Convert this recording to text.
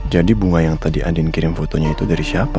jadi bunga yang tadi andin kirim fotonya itu dari siapa